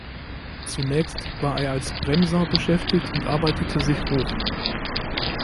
Zunächst war er als Bremser beschäftigt und arbeitete sich hoch.